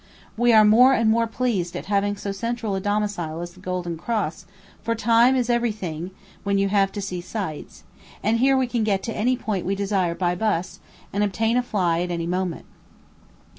We are more and more pleased at having so central a domicile as the Golden Cross, for time is every thing when you have to see sights; and here we can get to any point we desire by a bus, and obtain a fly at any moment.